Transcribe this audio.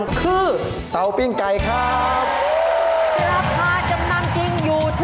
สูง